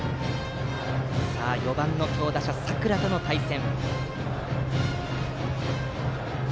４番の強打者・佐倉との対戦。